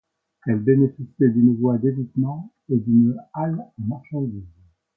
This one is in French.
Elle bénéficiait d'une voie d'évitement et d'une halle à marchandises.